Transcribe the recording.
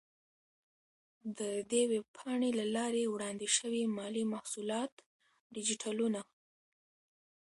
د دې ویب پاڼې له لارې وړاندې شوي مالي محصولات ډیجیټلونه،